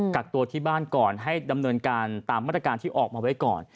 กักตัวที่บ้านก่อนให้ดำเนินการตามมาตรการที่ออกมาไว้ก่อน